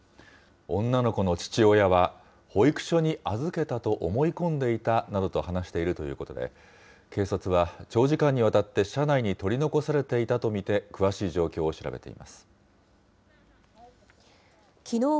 女の子の父親は、保育所に預けたと思い込んでいたなどと話しているということで、警察は長時間にわたって車内に取り残されていたと見て、詳しい状きのう